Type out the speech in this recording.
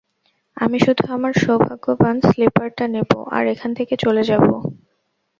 আমি শুধু আমার সৌভাগ্যবান স্লিপারটা নেব আর এখান থেকে চলে যাব।